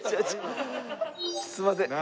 すいません。